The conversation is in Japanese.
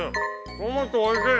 トマトおいしい。